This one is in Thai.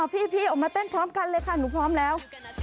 พี่ออกมาเต้นพร้อมกันเลยค่ะหนูพร้อมแล้ว